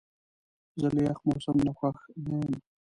زه له یخ موسم نه خوښ نه یم.